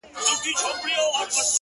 د ښکلا د دُنیا موري- د شرابو د خُم لوري-